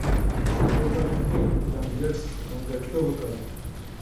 په دې برخه کې جان ګيټس منځګړيتوب وکړ.